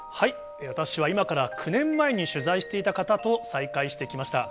私は今から９年前に取材していた方と再会してきました。